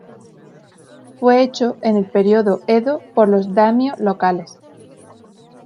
Fue hecho en el período Edo por los "daimyō" locales.